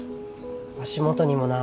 足元にもな。